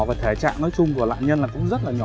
và thể trạng nói chung của nạn nhân là cũng rất là nhỏ